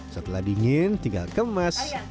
setelah dingin tinggal kemas